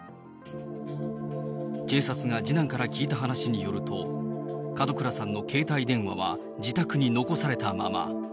警察が次男から聞いた話によると、門倉さんの携帯電話は自宅に残されたまま。